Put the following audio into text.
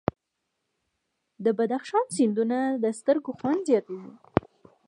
د بدخشان سیندونه د سترګو خوند زیاتوي.